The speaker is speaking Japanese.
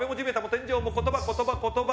天井も言葉、言葉、言葉